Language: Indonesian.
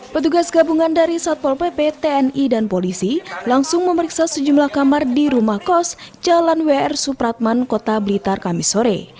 petugas gabungan dari satpol pp tni dan polisi langsung memeriksa sejumlah kamar di rumah kos jalan wr supratman kota blitar kamis sore